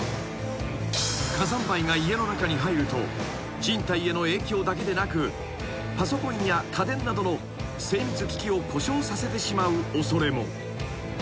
［火山灰が家の中に入ると人体への影響だけでなくパソコンや家電などの精密機器を故障させてしまう恐れも］